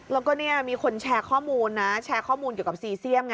แล้วก็นี่มีคนแชร์ข้อมูลเกี่ยวกับซีเซียม